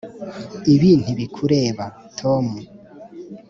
ibi ntibikureba, tom.